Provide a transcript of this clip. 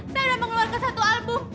saya sudah mengeluarkan satu album